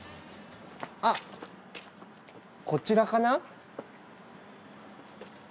あっこちらかな？